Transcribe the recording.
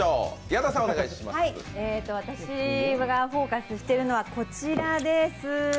私がフォーカスしているのはこちらです。